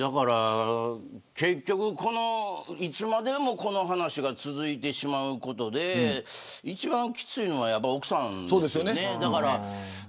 結局いつまでもこの話が続いてしまうことで一番きついのはやっぱり奥さんですよね。